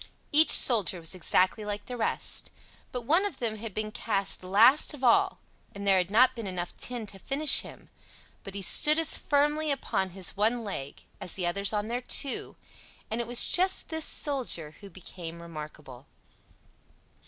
Each soldier was exactly like the rest; but one of them had been cast last of all, and there had not been enough tin to finish him; but he stood as firmly upon his one leg as the others on their two; and it was just this soldier who became remarkable.